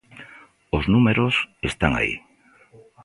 Os números están aí.